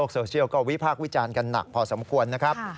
โซเชียลก็วิพากษ์วิจารณ์กันหนักพอสมควรนะครับ